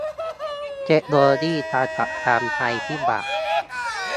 เทคโนโลยีการจัดการภัยพิบัติ